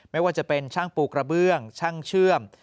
ไม่ว่าจะเป็นช่างปูกระเบื้องช่างเชื่อม